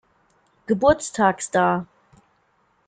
Geburtstags dar.